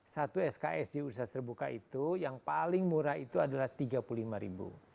satu sks di universitas terbuka itu yang paling murah itu adalah tiga puluh lima ribu